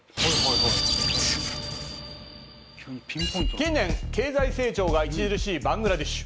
近年経済成長が著しいバングラデシュ。